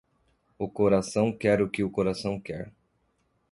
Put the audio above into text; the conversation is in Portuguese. O coração quer o que o coração quer.